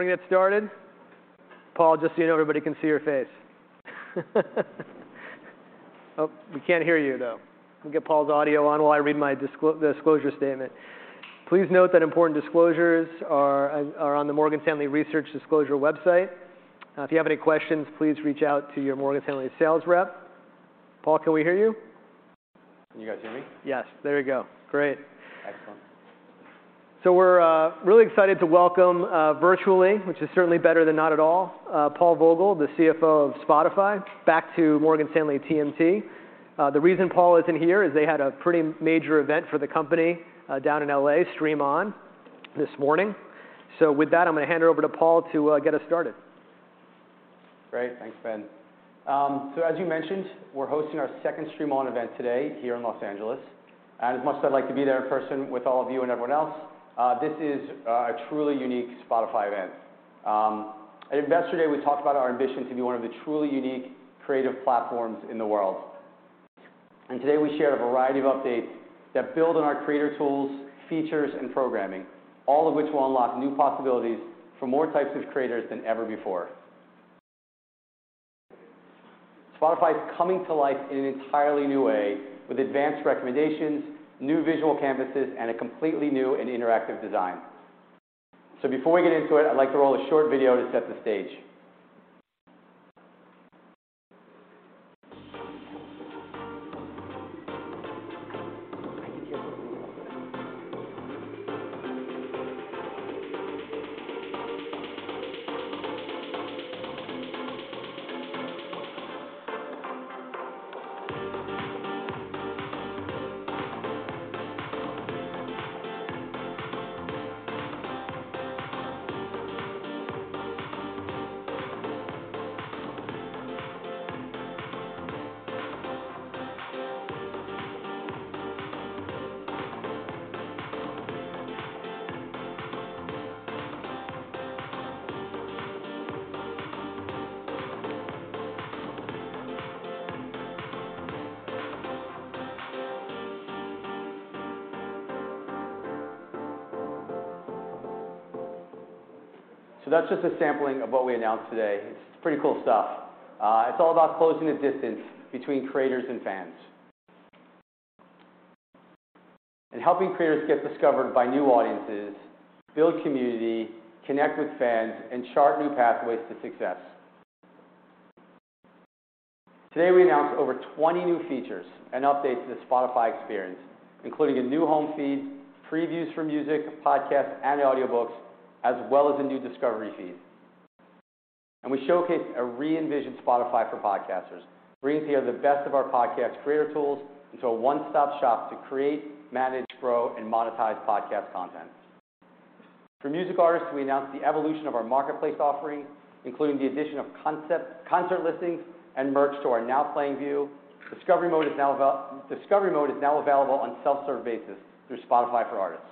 We're gonna get started. Paul, just so you know, everybody can see your face. Oh, we can't hear you, though. We'll get Paul's audio on while I read my disclosure statement. Please note that important disclosures are on the Morgan Stanley research disclosure website. If you have any questions, please reach out to your Morgan Stanley sales rep. Paul, can we hear you? Can you guys hear me? Yes. There we go. Great. Excellent. We're really excited to welcome virtually, which is certainly better than not at all, Paul Vogel, the CFO of Spotify, back to Morgan Stanley TMT. The reason Paul isn't here is they had a pretty major event for the company down in L.A., Stream On, this morning. With that, I'm gonna hand it over to Paul to get us started. Great. Thanks, Ben. As you mentioned, we're hosting our second Stream On event today here in Los Angeles, and as much as I'd like to be there in person with all of you and everyone else, this is a truly unique Spotify event. At Investor Day, we talked about our ambition to be one of the truly unique creative platforms in the world, and today we share a variety of updates that build on our creator tools, features, and programming, all of which will unlock new possibilities for more types of creators than ever before. Spotify is coming to life in an entirely new way with advanced recommendations, new visual canvases, and a completely new and interactive design. Before we get into it, I'd like to roll a short video to set the stage. That's just a sampling of what we announced today. It's pretty cool stuff. It's all about closing the distance between creators and fans and helping creators get discovered by new audiences, build community, connect with fans, and chart new pathways to success. Today, we announced over 20 new features and updates to the Spotify experience, including a new home feed, previews for music, podcasts, and audiobooks, as well as a new discovery feed. We showcase a re-envisioned Spotify for Podcasters, bringing together the best of our podcast creator tools into a one-stop shop to create, manage, grow, and monetize podcast content. For music artists, we announced the evolution of our Marketplace offering, including the addition of concert listings and merch to our Now Playing view. Discovery Mode is now available on self-serve basis through Spotify for Artists.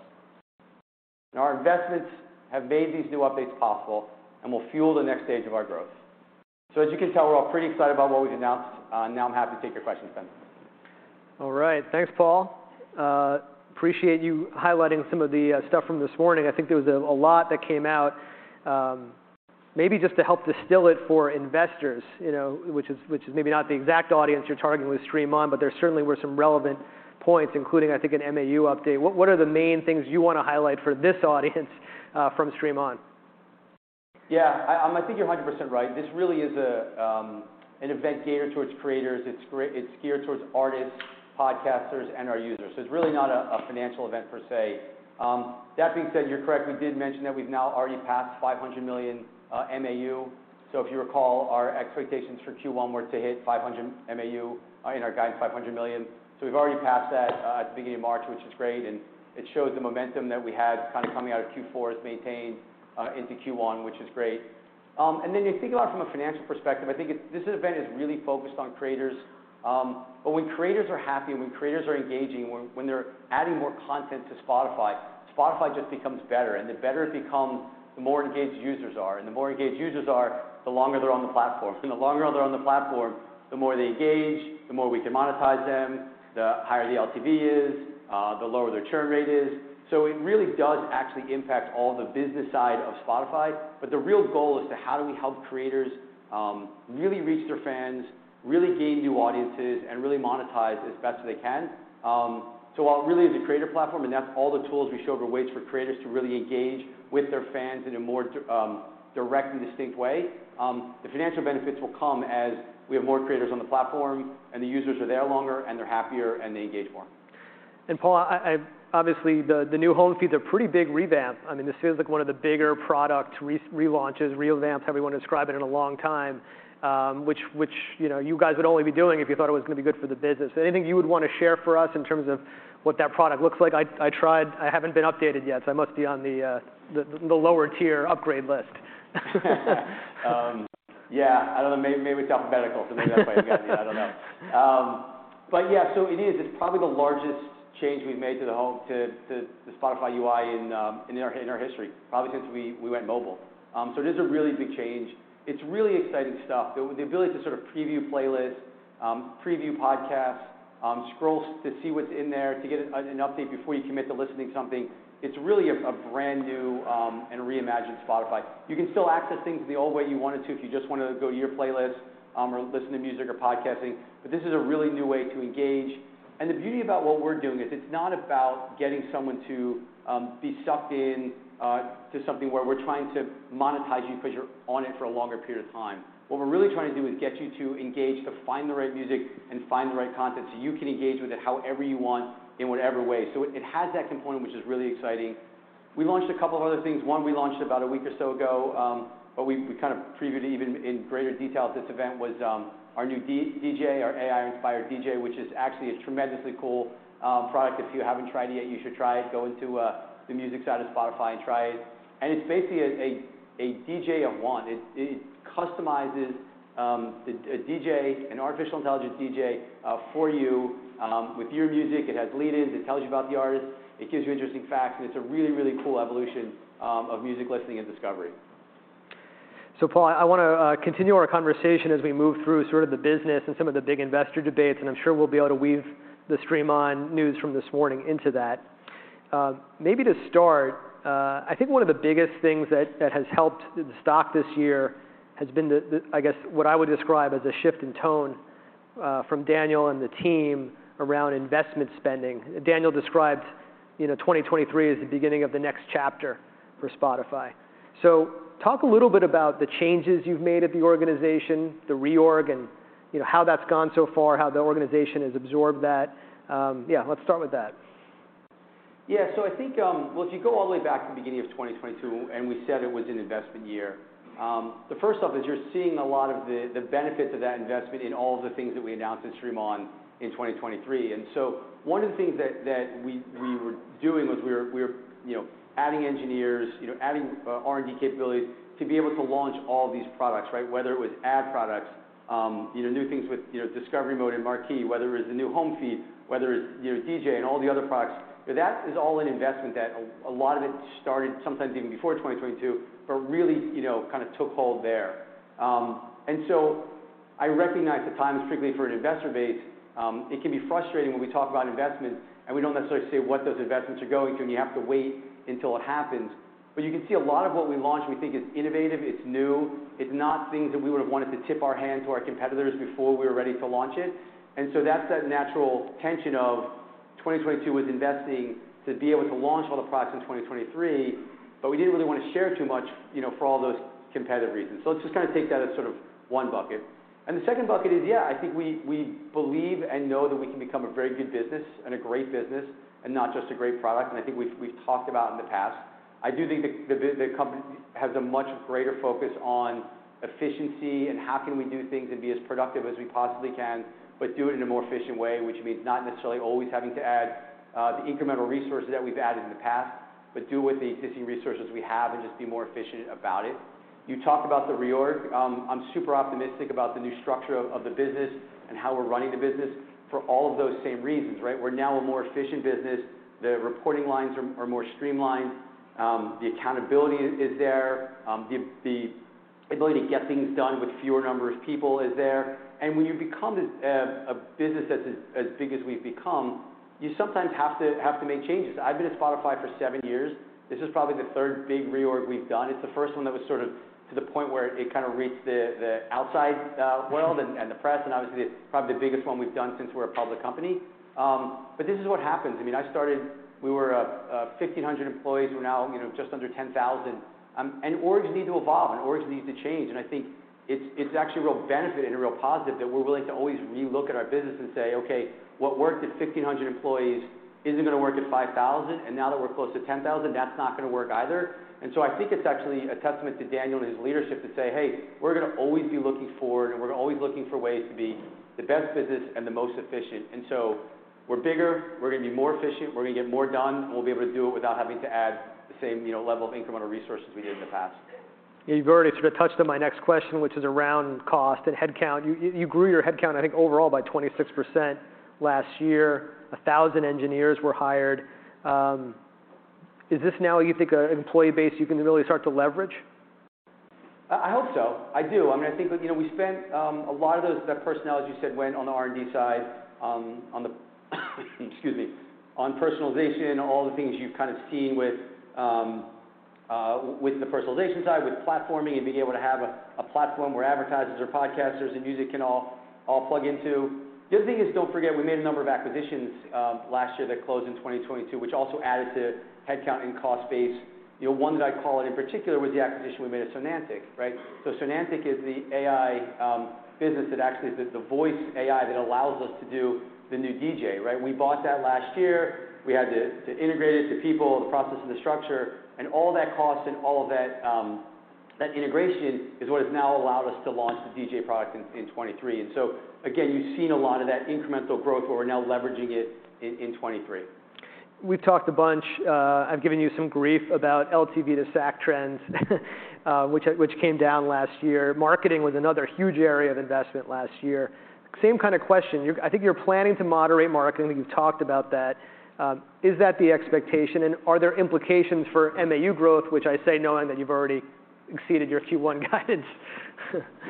Our investments have made these new updates possible and will fuel the next stage of our growth. As you can tell, we're all pretty excited about what we've announced. Now I'm happy to take your questions then. All right. Thanks, Paul. Appreciate you highlighting some of the stuff from this morning. I think there was a lot that came out, maybe just to help distill it for investors, you know, which is maybe not the exact audience you're targeting with Stream On, but there certainly were some relevant points, including, I think, an MAU update. What are the main things you wanna highlight for this audience from Stream On? Yeah. I think you're 100% right. This really is an event catered towards creators. It's geared towards artists, podcasters, and our users. It's really not a financial event per se. That being said, you're correct. We did mention that we've now already passed 500 million MAU. If you recall, our expectations for Q1 were to hit 500 MAU in our guidance, 500 million. We've already passed that at the beginning of March, which is great, and it shows the momentum that we had kind of coming out of Q4 is maintained into Q1, which is great. If you think about it from a financial perspective, I think it's... this event is really focused on creators. When creators are happy and when creators are engaging, when they're adding more content to Spotify just becomes better and the better it becomes, the more engaged users are. The more engaged users are, the longer they're on the platform. The longer they're on the platform, the more they engage, the more we can monetize them, the higher the LTV is, the lower their churn rate is. It really does actually impact all the business side of Spotify. The real goal is to how do we help creators really reach their fans, really gain new audiences, and really monetize as best they can. While it really is a creator platform, and that's all the tools we show, are ways for creators to really engage with their fans in a more direct and distinct way, the financial benefits will come as we have more creators on the platform, and the users are there longer, and they're happier, and they engage more. Paul, I obviously the new home feeds are pretty big revamp. I mean, this feels like one of the bigger product relaunches, revamps, however you want to describe it, in a long time, which, you know, you guys would only be doing if you thought it was gonna be good for the business. Anything you would want to share for us in terms of what that product looks like? I tried. I haven't been updated yet, so I must be on the lower tier upgrade list. Yeah. I don't know, maybe it's alphabetical, so maybe that's why you got it. I don't know. Yeah, it is, it's probably the largest change we've made to the Home, to the Spotify UI in our history, probably since we went mobile. It is a really big change. It's really exciting stuff. The ability to sort of preview playlists, preview podcasts, scroll to see what's in there to get an update before you commit to listening to something. It's really a brand new, and reimagined Spotify. You can still access things the old way you wanted to if you just wanna go to your playlist, or listen to music or podcasting, but this is a really new way to engage. The beauty about what we're doing is it's not about getting someone to be sucked in to something where we're trying to monetize you because you're on it for a longer period of time. What we're really trying to do is get you to engage, to find the right music and find the right content, so you can engage with it however you want in whatever way. It, it has that component, which is really exciting. We launched a couple of other things. One we launched about a week or so ago, but we kind of previewed even in greater detail at this event, was our new DJ, our AI-inspired DJ, which is actually a tremendously cool product. If you haven't tried it yet, you should try it. Go into the music side of Spotify and try it. It's basically a DJ in one. It customizes a DJ, an artificial intelligence DJ, for you with your music. It has lead-ins. It tells you about the artist. It gives you interesting facts. It's a really, really cool evolution of music listening and discovery. Paul, I want to continue our conversation as we move through sort of the business and some of the big investor debates, and I'm sure we'll be able to weave the Stream On news from this morning into that. Maybe to start, I think one of the biggest things that has helped the stock this year has been the, I guess, what I would describe as a shift in tone from Daniel and the team around investment spending. Daniel described, you know, 2023 as the beginning of the next chapter for Spotify. Talk a little bit about the changes you've made at the organization, the reorg, and, you know, how that's gone so far, how the organization has absorbed that. Yeah, let's start with that. Yeah. I think, Well, if you go all the way back to the beginning of 2022, we said it was an investment year. The first off is you're seeing a lot of the benefits of that investment in all the things that we announced at Stream On in 2023. One of the things that we were doing was we were, you know, adding engineers, you know, adding R&D capabilities to be able to launch all these products, right? Whether it was ad products, you know, new things with, you know, Discovery Mode and Marquee, whether it was the new home feed, whether it's, you know, DJ and all the other products. That is all an investment that a lot of it started sometimes even before 2022, but really, you know, kind of took hold there. I recognize at times, particularly for an investor base, it can be frustrating when we talk about investments, and we don't necessarily say what those investments are going to, and you have to wait until it happens. You can see a lot of what we launched we think is innovative, it's new. It's not things that we would have wanted to tip our hand to our competitors before we were ready to launch it. That's that natural tension of 2022 was investing to be able to launch all the products in 2023, but we didn't really wanna share too much, you know, for all those competitive reasons. Let's just kinda take that as sort of one bucket. The second bucket is, yeah, I think we believe and know that we can become a very good business and a great business and not just a great product, and I think we've talked about in the past. I do think the company has a much greater focus on efficiency and how can we do things and be as productive as we possibly can, but do it in a more efficient way, which means not necessarily always having to add the incremental resources that we've added in the past, but do with the existing resources we have and just be more efficient about it. You talked about the reorg. I'm super optimistic about the new structure of the business and how we're running the business for all of those same reasons, right? We're now a more efficient business. The reporting lines are more streamlined. The accountability is there. The ability to get things done with fewer number of people is there. When you become as a business as big as we've become, you sometimes have to make changes. I've been at Spotify for 7 years. This is probably the 3rd big reorg we've done. It's the 1st one that was sort of to the point where it kinda reached the outside world and the press, obviously, it's probably the biggest one we've done since we're a public company. This is what happens. I mean, I started... We were 1,500 employees. We're now, you know, just under 10,000. Orgs need to evolve, and orgs need to change. I think it's actually a real benefit and a real positive that we're willing to always relook at our business and say, "Okay, what worked at 1,500 employees isn't gonna work at 5,000, and now that we're close to 10,000, that's not gonna work either." I think it's actually a testament to Daniel and his leadership to say, "Hey, we're gonna always be looking forward, and we're always looking for ways to be the best business and the most efficient." We're bigger. We're gonna be more efficient. We're gonna get more done, and we'll be able to do it without having to add the same, you know, level of incremental resources we did in the past. You've already sort of touched on my next question, which is around cost and headcount. You grew your headcount, I think, overall by 26% last year. 1,000 engineers were hired. Is this now you think an employee base you can really start to leverage? I hope so. I do. I mean, I think, you know, we spent. That personnel, as you said, went on the R&D side, excuse me, on personalization, all the things you've kind of seen with the personalization side, with platforming and being able to have a platform where advertisers or podcasters and music can all plug into. The other thing is, don't forget, we made a number of acquisitions last year that closed in 2022, which also added to headcount and cost base. You know, one that I'd call out in particular was the acquisition we made of Sonantic, right? Sonantic is the AI business that actually is the voice AI that allows us to do the new DJ, right? We bought that last year. We had to integrate it to people, the process and the structure, and all that cost and all of that integration is what has now allowed us to launch the DJ product in 2023. Again, you've seen a lot of that incremental growth where we're now leveraging it in 2023. We've talked a bunch, I've given you some grief about LTV to SAC trends, which came down last year. Marketing was another huge area of investment last year. Same kind of question. I think you're planning to moderate marketing. You've talked about that. Is that the expectation, and are there implications for MAU growth, which I say knowing that you've already exceeded your Q1 guidance?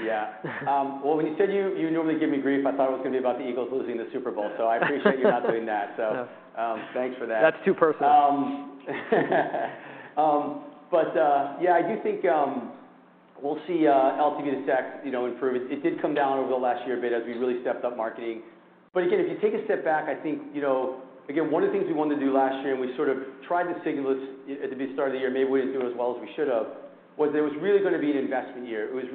Yeah. well, when you said you normally give me grief, I thought it was gonna be about the Eagles losing the Super Bowl. I appreciate you not doing that. thanks for that. That's too personal. Yeah, I do think we'll see LTV to SAC, you know, improve. It did come down over the last year a bit as we really stepped up marketing. Again, if you take a step back, I think, you know, again, one of the things we wanted to do last year, and we sort of tried to signal this at the start of the year, maybe we didn't do it as well as we should have, was that it was really gonna be an investment year. We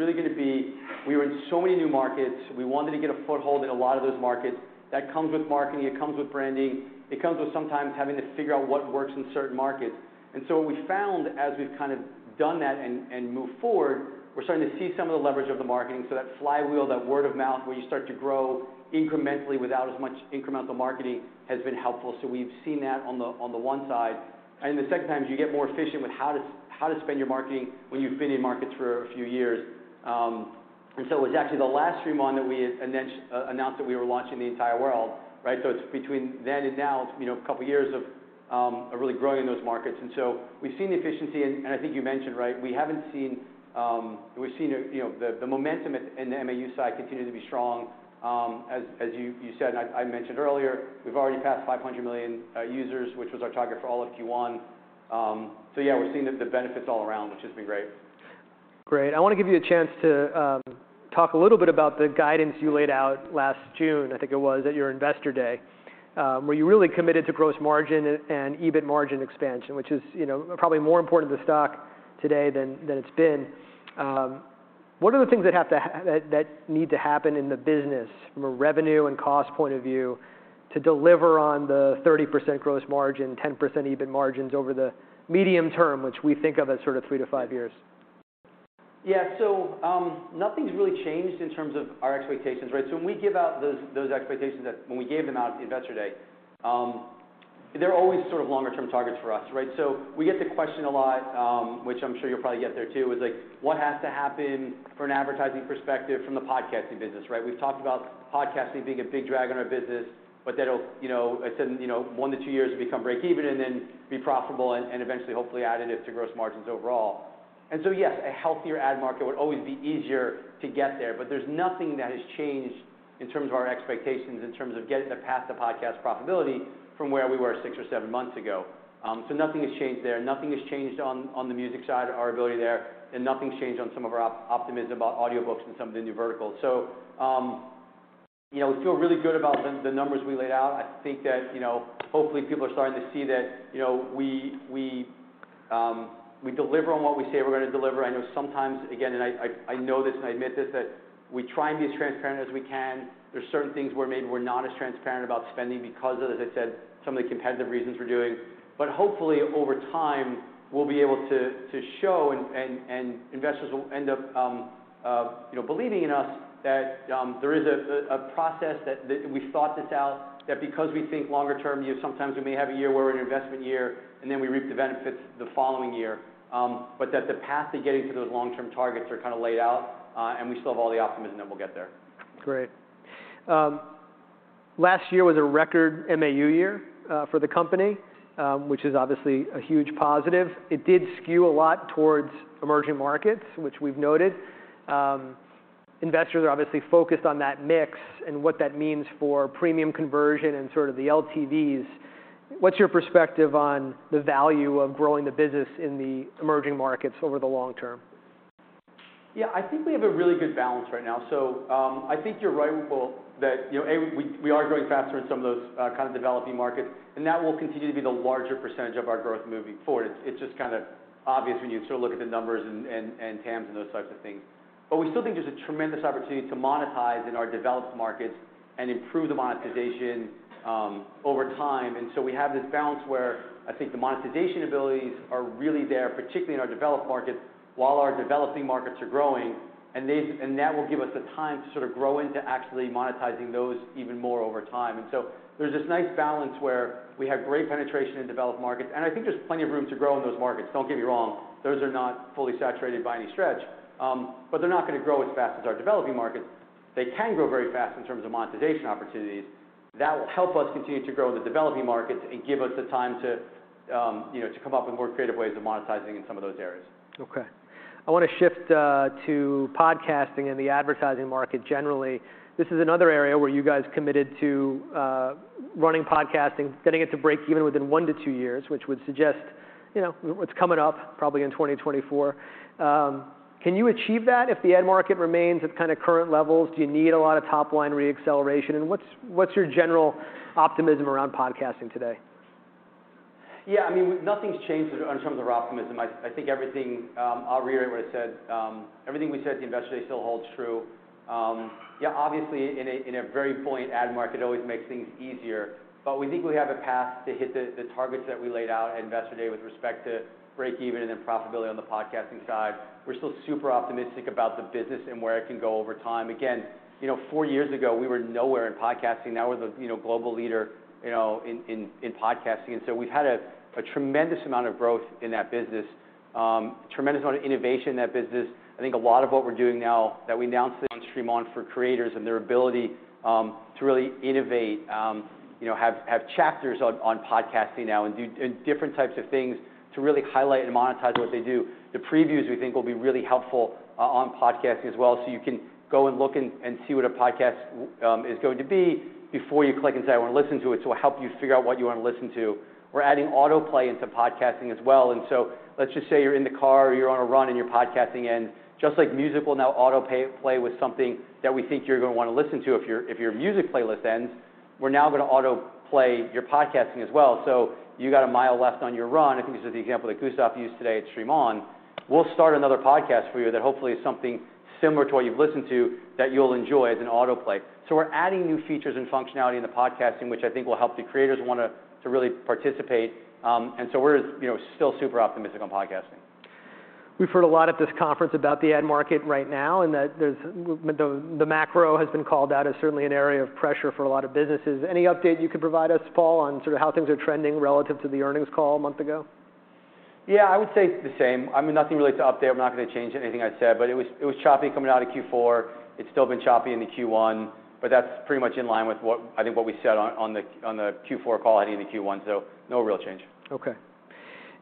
were in so many new markets. We wanted to get a foothold in a lot of those markets. That comes with marketing, it comes with branding, it comes with sometimes having to figure out what works in certain markets. What we found as we've kind of done that and moved forward, we're starting to see some of the leverage of the marketing. That flywheel, that word of mouth, where you start to grow incrementally without as much incremental marketing has been helpful. We've seen that on the one side. The second time is you get more efficient with how to spend your marketing when you've been in markets for a few years. It was actually the last Stream On that we announced that we were launching the entire world, right? It's between then and now, it's, you know, a couple of years of really growing those markets. We've seen the efficiency and I think you mentioned, right, we haven't seen. We've seen a, you know, the momentum at, in the MAU side continue to be strong. As you said, and I mentioned earlier, we've already passed 500 million users, which was our target for all of Q1. Yeah, we're seeing the benefits all around, which has been great. Great. I want to give you a chance to talk a little bit about the guidance you laid out last June, I think it was, at your Investor Day, where you really committed to gross margin and EBIT margin expansion, which is, you know, probably more important to the stock today than it's been. What are the things that need to happen in the business from a revenue and cost point of view to deliver on the 30% gross margin, 10% EBIT margins over the medium term, which we think of as sort of 3 to 5 years? Yeah. nothing's really changed in terms of our expectations, right? When we give out those expectations when we gave them out at the Investor Day, they're always sort of longer term targets for us, right? We get the question a lot, which I'm sure you'll probably get there too, is like, what has to happen for an advertising perspective from the podcasting business, right? We've talked about podcasting being a big drag on our business, but that'll, you know, I said in, you know, 1 to 2 years it'll become breakeven and then be profitable and eventually hopefully additive to gross margins overall. Yes, a healthier ad market would always be easier to get there, but there's nothing that has changed in terms of our expectations, in terms of getting the path to podcast profitability from where we were 6 or 7 months ago. Nothing has changed there. Nothing has changed on the music side, our ability there, and nothing's changed on some of our optimism about audiobooks and some of the new verticals. You know, we feel really good about the numbers we laid out. I think that, you know, hopefully people are starting to see that, you know, we deliver on what we say we're gonna deliver. I know sometimes, again, and I know this and I admit this, that we try and be as transparent as we can. There's certain things where maybe we're not as transparent about spending because of, as I said, some of the competitive reasons we're doing. Hopefully, over time, we'll be able to show and investors will end up, you know, believing in us that there is a process that we've thought this out. That because we think longer term, you know, sometimes we may have a year where we're in an investment year, and then we reap the benefits the following year. That the path to getting to those long-term targets are kind of laid out, and we still have all the optimism that we'll get there. Great. Last year was a record MAU year for the company, which is obviously a huge positive. It did skew a lot towards emerging markets, which we've noted. Investors are obviously focused on that mix and what that means for Premium conversion and sort of the LTVs. What's your perspective on the value of growing the business in the emerging markets over the long term? Yeah. I think we have a really good balance right now. I think you're right, Will, that, you know, A, we are growing faster in some of those kind of developing markets, and that will continue to be the larger percentage of our growth moving forward. It's just kind of obvious when you sort of look at the numbers and TAMS and those types of things. We still think there's a tremendous opportunity to monetize in our developed markets and improve the monetization over time. We have this balance where I think the monetization abilities are really there, particularly in our developed markets, while our developing markets are growing. That will give us the time to sort of grow into actually monetizing those even more over time. There's this nice balance where we have great penetration in developed markets, and I think there's plenty of room to grow in those markets. Don't get me wrong, those are not fully saturated by any stretch. They're not gonna grow as fast as our developing markets. They can grow very fast in terms of monetization opportunities. That will help us continue to grow in the developing markets and give us the time to, you know, to come up with more creative ways of monetizing in some of those areas. Okay. I want to shift to podcasting and the advertising market generally. This is another area where you guys committed to running podcasting, getting it to break even within one to two years, which would suggest, you know, it's coming up probably in 2024. Can you achieve that if the ad market remains at kind of current levels? Do you need a lot of top-line re-acceleration? What's your general optimism around podcasting today? Yeah, I mean, nothing's changed in terms of our optimism. I think everything I'll reiterate what I said, everything we said at the Investor Day still holds true. Yeah, obviously in a very buoyant ad market always makes things easier. We think we have a path to hit the targets that we laid out at Investor Day with respect to break-even and then profitability on the podcasting side. We're still super optimistic about the business and where it can go over time. Again, you know, four years ago, we were nowhere in podcasting. Now we're the, you know, global leader, you know, in podcasting. We've had a tremendous amount of growth in that business. Tremendous amount of innovation in that business. I think a lot of what we're doing now that we announced today at Stream On for creators and their ability to really innovate, you know, have chapters on podcasting now and different types of things to really highlight and monetize what they do. The previews we think will be really helpful on podcasting as well, so you can go and look and see what a podcast is going to be before you click and say, 'I want to listen to it,' so it'll help you figure out what you want to listen to. We're adding Autoplay into podcasting as well. Let's just say you're in the car or you're on a run and you're podcasting, just like music will now Autoplay with something that we think you're going to want to listen to, if your music playlist ends, we're now going to Autoplay your podcasting as well. You got a mile left on your run, I think this is the example that Gustav used today at Stream On. We'll start another podcast for you that hopefully is something similar to what you've listened to that you'll enjoy as an Autoplay. We're adding new features and functionality into podcasting, which I think will help the creators want to really participate. We're, you know, still super optimistic on podcasting. We've heard a lot at this conference about the ad market right now. The macro has been called out as certainly an area of pressure for a lot of businesses. Any update you could provide us, Paul, on sort of how things are trending relative to the earnings call a month ago? I would say the same. I mean, nothing really to update. We're not gonna change anything I said. It was choppy coming out of Q4. It's still been choppy into Q1. That's pretty much in line with what I think what we said on the Q4 call heading to Q1. No real change. Okay.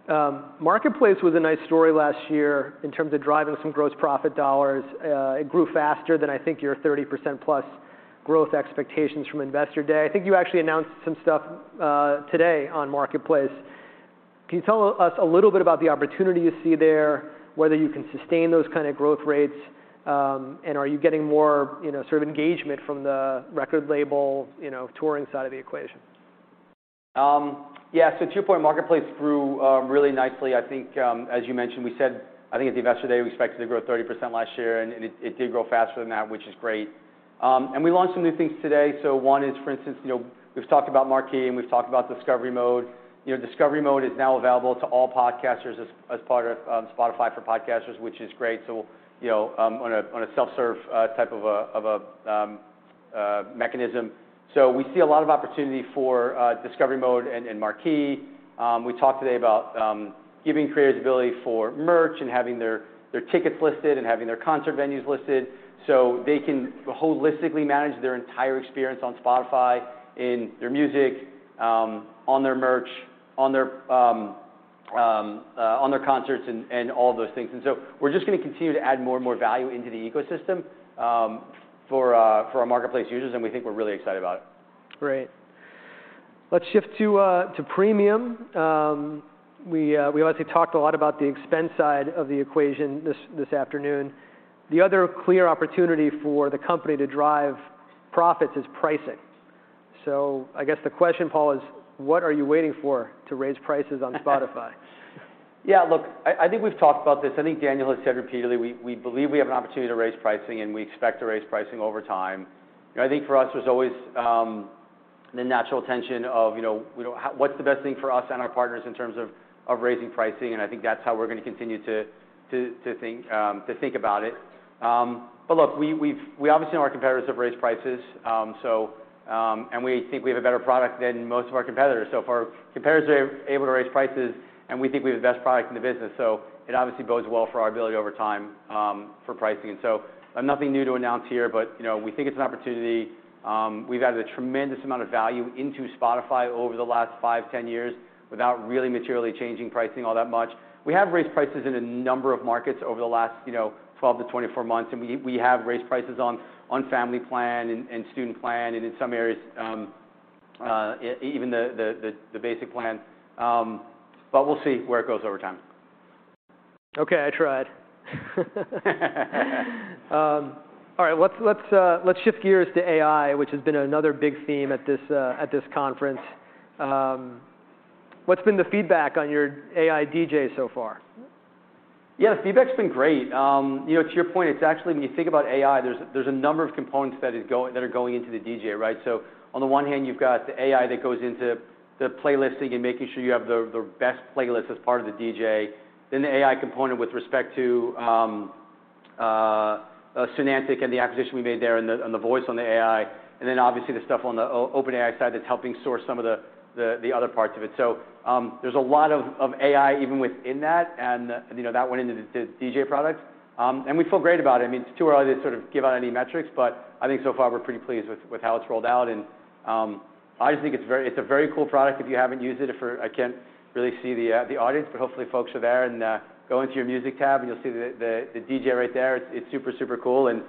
Marketplace was a nice story last year in terms of driving some gross profit $. It grew faster than I think your 30%+ growth expectations from Investor Day. I think you actually announced some stuff today on Marketplace. Can you tell us a little bit about the opportunity you see there, whether you can sustain those kind of growth rates, and are you getting more, you know, sort of engagement from the record label, you know, touring side of the equation? Yeah. To your point, Marketplace grew really nicely. I think, as you mentioned, we said, I think at the Investor Day, we expected to grow 30% last year, and it did grow faster than that, which is great. We launched some new things today. One is, for instance, you know, we've talked about Marquee, and we've talked about Discovery Mode. You know, Discovery Mode is now available to all podcasters as part of Spotify for Podcasters, which is great. You know, on a self-serve type of a mechanism. We see a lot of opportunity for Discovery Mode and Marquee. We talked today about giving creators ability for merch and having their tickets listed and having their concert venues listed, so they can holistically manage their entire experience on Spotify in their music, on their merch, on their concerts and all of those things. We're just gonna continue to add more and more value into the ecosystem for our Marketplace users, and we think we're really excited about it. Great. Let's shift to Premium. We obviously talked a lot about the expense side of the equation this afternoon. The other clear opportunity for the company to drive profits is pricing. I guess the question, Paul, is what are you waiting for to raise prices on Spotify? Yeah, look, I think we've talked about this. I think Daniel has said repeatedly, we believe we have an opportunity to raise pricing, we expect to raise pricing over time. You know, I think for us there's always the natural tension of, you know, what's the best thing for us and our partners in terms of raising pricing, I think that's how we're gonna continue to think about it. Look, we obviously know our competitors have raised prices. We think we have a better product than most of our competitors. If our competitors are able to raise prices we think we have the best product in the business, it obviously bodes well for our ability over time for pricing. Nothing new to announce here, but, you know, we think it's an opportunity. We've added a tremendous amount of value into Spotify over the last 5, 10 years without really materially changing pricing all that much. We have raised prices in a number of markets over the last, you know, 12-24 months, and we have raised prices on Family Plan and Student Plan and in some areas, even the Basic Plan. We'll see where it goes over time. Okay, I tried. All right. Let's shift gears to AI, which has been another big theme at this conference. What's been the feedback on your AI DJ so far? Yeah, the feedback's been great. You know, to your point, it's actually, when you think about AI, there's a number of components that are going into the DJ, right? On the one hand, you've got the AI that goes into the playlisting and making sure you have the best playlist as part of the DJ. The AI component with respect to Sonantic and the acquisition we made there and the voice on the AI, and then obviously the stuff on the OpenAI side that's helping source some of the other parts of it. There's a lot of AI even within that and, you know, that went into the DJ product. We feel great about it. I mean, it's too early to sort of give out any metrics, but I think so far we're pretty pleased with how it's rolled out and I just think it's a very cool product if you haven't used it. I can't really see the audience, but hopefully folks are there and go into your Music tab and you'll see the DJ right there. It's super cool and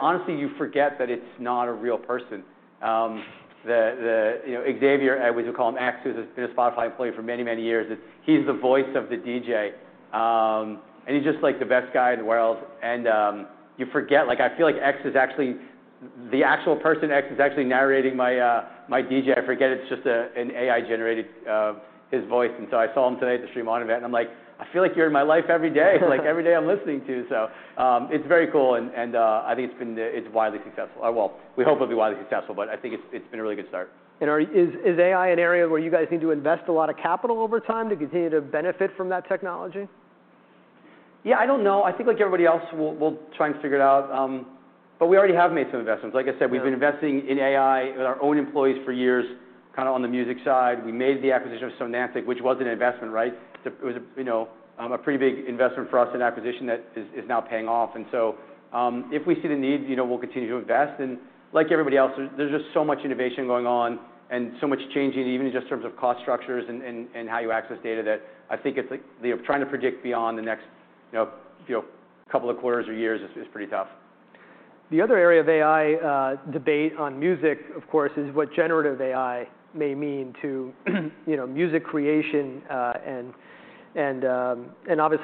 Honestly, you forget that it's not a real person. The, you know, Xavier, as we call him, X, who's been a Spotify employee for many, many years, he's the voice of the DJ. And he's just like the best guy in the world and you forget, like I feel like X is actually narrating my DJ. I forget it's just an AI-generated his voice. I saw him today at the Stream On event, and I'm like, "I feel like you're in my life every day." "Like, every day I'm listening to you." It's very cool and, I think it's wildly successful. We hope it'll be wildly successful, but I think it's been a really good start. Is AI an area where you guys need to invest a lot of capital over time to continue to benefit from that technology? Yeah, I don't know. I think like everybody else we'll try and figure it out. We already have made some investments. Yeah... we've been investing in AI with our own employees for years, kind of on the music side. We made the acquisition of Sonantic, which was an investment, right? It's a, it was, you know, a pretty big investment for us, an acquisition that is now paying off. If we see the need, you know, we'll continue to invest. Like everybody else, there's just so much innovation going on and so much changing even in just in terms of cost structures and how you access data that I think it's, like, the... Trying to predict beyond the next, you know, couple of quarters or years is pretty tough. The other area of AI debate on music, of course, is what generative AI may mean to, you know, music creation. Obviously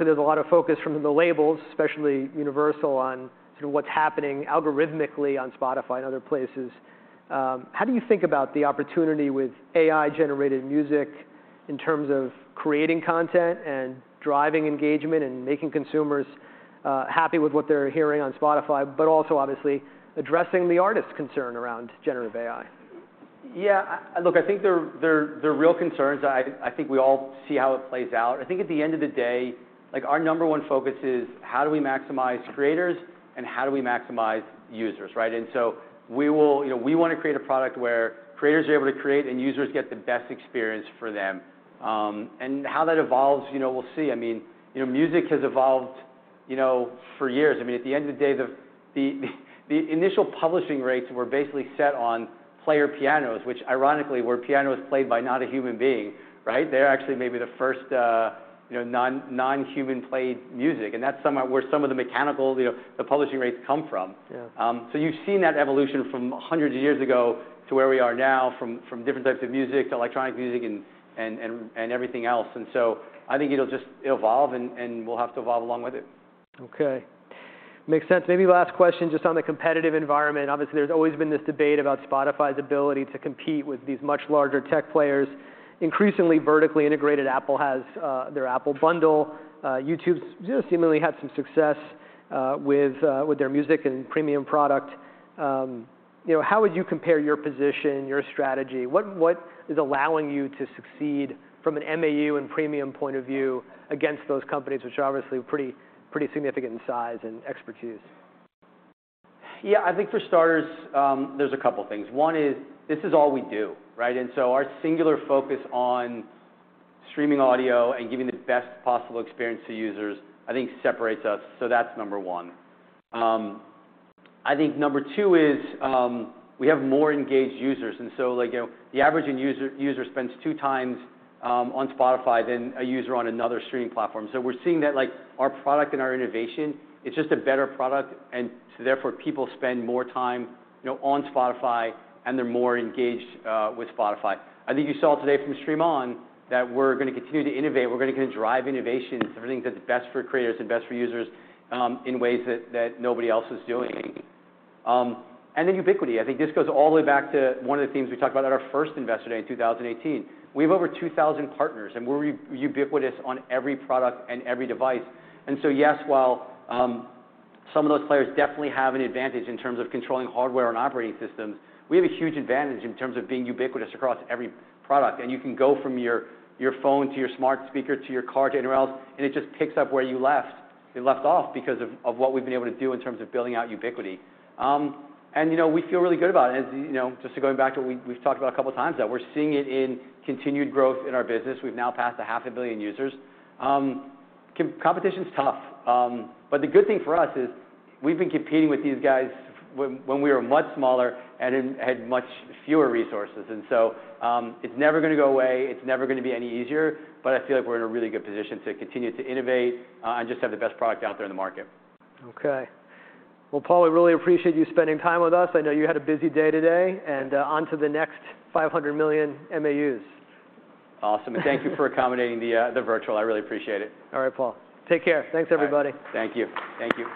there's a lot of focus from the labels, especially Universal, on sort of what's happening algorithmically on Spotify and other places. How do you think about the opportunity with AI-generated music in terms of creating content and driving engagement and making consumers happy with what they're hearing on Spotify, but also obviously addressing the artist's concern around generative AI? Yeah. Look, I think there are real concerns. I think we all see how it plays out. I think at the end of the day, like, our number 1 focus is how do we maximize creators and how do we maximize users, right? We will, you know, we wanna create a product where creators are able to create and users get the best experience for them. How that evolves, you know, we'll see. I mean, you know, music has evolved, you know, for years. I mean, at the end of the day, the initial publishing rates were basically set on player pianos, which ironically were pianos played by not a human being, right? They're actually maybe the first, you know, non-human played music, and that's where some of the mechanical, you know, the publishing rates come from. Yeah. You've seen that evolution from hundreds of years ago to where we are now, from different types of music to electronic music and everything else. I think it'll just evolve and we'll have to evolve along with it. Okay. Makes sense. Maybe last question just on the competitive environment. Obviously, there's always been this debate about Spotify's ability to compete with these much larger tech players. Increasingly vertically integrated Apple has their Apple One. YouTube's, you know, seemingly had some success with their music and Premium product. You know, how would you compare your position, your strategy? What is allowing you to succeed from an MAU and Premium point of view against those companies, which are obviously pretty significant in size and expertise? I think for starters, there's a couple things. One is this is all we do, right? Our singular focus on streaming audio and giving the best possible experience to users, I think separates us. That's number one. I think number two is, we have more engaged users, and so like, you know, the average user spends two times on Spotify than a user on another streaming platform. We're seeing that, like, our product and our innovation, it's just a better product, therefore people spend more time, you know, on Spotify and they're more engaged with Spotify. I think you saw today from Stream On that we're gonna continue to innovate. We're gonna continue to drive innovation for everything that's best for creators and best for users, in ways that nobody else is doing. Ubiquity. I think this goes all the way back to one of the themes we talked about at our first Investor Day in 2018. We have over 2,000 partners, and we're ubiquitous on every product and every device. Yes, while some of those players definitely have an advantage in terms of controlling hardware and operating systems, we have a huge advantage in terms of being ubiquitous across every product. You can go from your phone to your smart speaker to your car to anywhere else, and it just picks up where you left off because of what we've been able to do in terms of building out ubiquity. You know, we feel really good about it. As, you know, just going back to what we've talked about a couple times, that we're seeing it in continued growth in our business. We've now passed a half a billion users. Competition's tough. The good thing for us is we've been competing with these guys when we were much smaller and in, had much fewer resources. It's never gonna go away. It's never gonna be any easier. I feel like we're in a really good position to continue to innovate and just have the best product out there in the market. Okay. Well, Paul, we really appreciate you spending time with us. I know you had a busy day today, and onto the next 500 million MAUs. Awesome. Thank you for accommodating the virtual. I really appreciate it. All right, Paul. Take care. All right. Thanks, everybody. Thank you. Thank you.